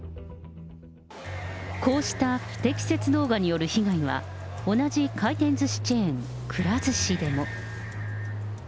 こうした不適切動画による被害は、同じ回転ずしチェーン、くら寿司でも。